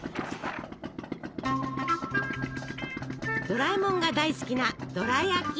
ドラえもんが大好きなドラやき。